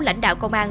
lãnh đạo công an